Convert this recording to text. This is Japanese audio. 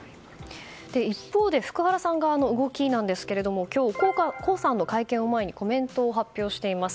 一方で福原さん側の動きですが江さんの会見の前にコメントを発表しています。